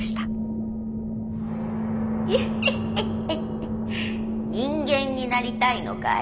「ヒヒヒにんげんになりたいのかい？